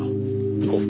行こう。